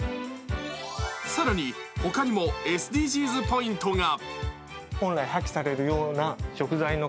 更に他にもＳＤＧｓポイントが。